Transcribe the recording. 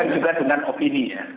juga dengan opini ya